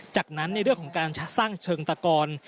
จากนั้นในเรื่องของการสร้างเชิงตะกอน